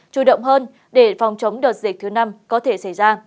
chủ động hơn để phòng chống đợt dịch thứ năm có thể xảy ra